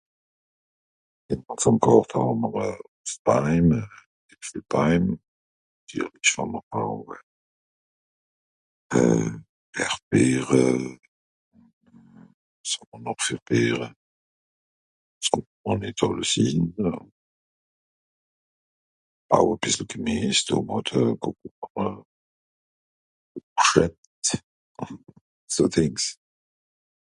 zum gàrte hàmmr s'baim äpfelbaim ... euh erdbeere wàs hàmmr nòch ver beere s'kommt mr nìt àlles rin aw à bìssel gemiesse tòmàte (concomber) .... so dìngs